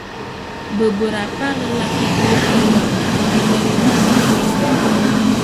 Beberapa lelaki kulit berwarna diterima di militer.